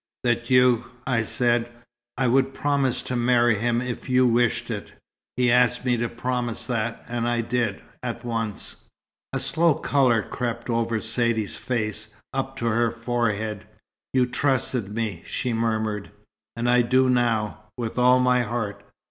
"That you I said, I would promise to marry him if you wished it. He asked me to promise that, and I did, at once." A slow colour crept over Saidee's face, up to her forehead. "You trusted me," she murmured. "And I do now with all my heart.